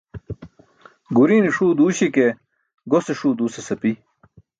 Guriine ṣuu duuśi ke gose ṣuu duusas api.